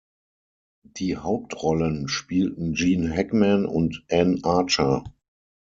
Die Hauptrollen spielten Gene Hackman und Anne Archer.